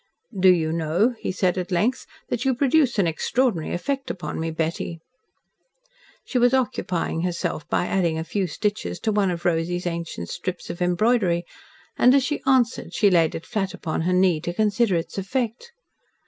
"Do you know," he said at length, "that you produce an extraordinary effect upon me, Betty?" She was occupying herself by adding a few stitches to one of Rosy's ancient strips of embroidery, and as she answered, she laid it flat upon her knee to consider its effect.